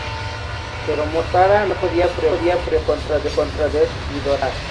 Pero Mothra no podía prevalecer contra Death Ghidorah.